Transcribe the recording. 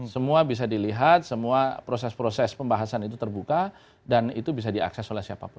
semua bisa dilihat semua proses proses pembahasan itu terbuka dan itu bisa diakses oleh siapapun